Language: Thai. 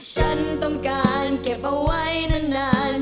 ฉันต้องการเก็บเอาไว้นาน